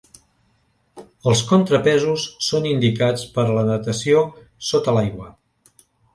Els contrapesos són indicats per a la natació sota l'aigua.